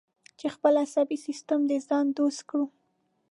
چې خپل عصبي سیستم د ځان دوست کړو.